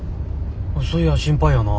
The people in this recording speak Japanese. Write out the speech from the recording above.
そいや心配やな。